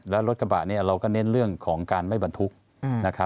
และรถกระบะเราก็เน้นเรื่องของการไม่บรรทุก